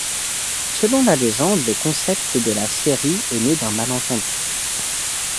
Selon la légende, le concept de la série est né d’un malentendu.